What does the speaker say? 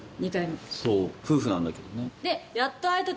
そう夫婦なんだけどね。